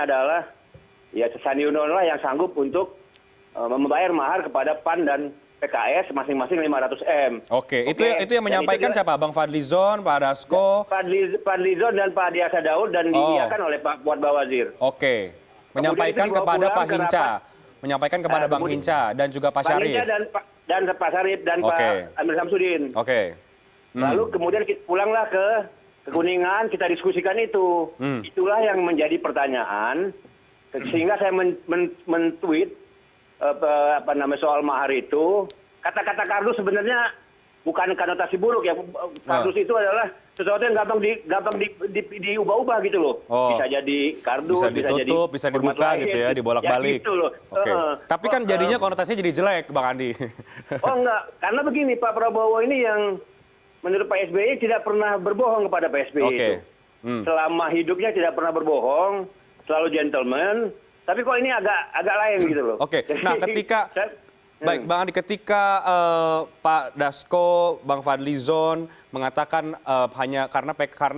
dan sudah tersambung melalui sambungan telepon ada andi arief wasekjen